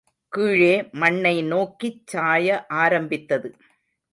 கீழே மண்ணை நோக்கிச் சாய ஆரம்பித்தது.